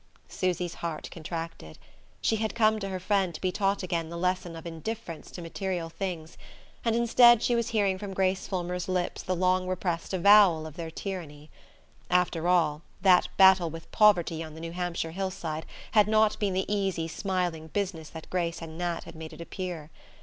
Susy's heart contracted. She had come to her friend to be taught again the lesson of indifference to material things, and instead she was hearing from Grace Fulmer's lips the long repressed avowal of their tyranny. After all, that battle with poverty on the New Hampshire hillside had not been the easy smiling business that Grace and Nat had made it appear.